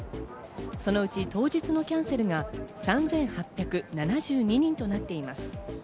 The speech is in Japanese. そのうち、当日のキャンセルが３８７２人となっています。